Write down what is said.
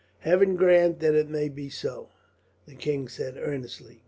"Heaven grant that it may be so!" the king said earnestly.